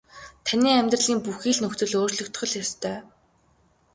Таны амьдралын бүхий л нөхцөл өөрчлөгдөх л ёстой.